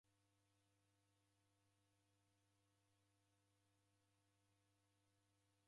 W'uja kazi ya ijeshi isangenyi ni kii?